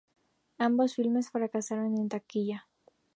Ambos filmes fracasaron en taquilla.